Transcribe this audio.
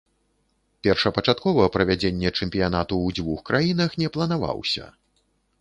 Першапачаткова правядзенне чэмпіянату ў дзвюх краінах не планаваўся.